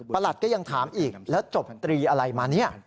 ประหลัดก็ยังถามอีกแล้วจบตรีอะไรมานี่